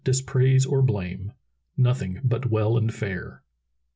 Dispraise or blame: nothing but well and fair."